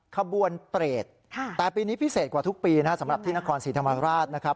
ขบวนเปรตแต่ปีนี้พิเศษกว่าทุกปีนะครับสำหรับที่นครศรีธรรมราชนะครับ